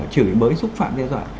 chửi bới xúc phạm đe dọa